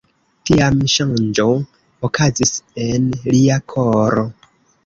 Tiam ŝanĝo okazis en lia koro.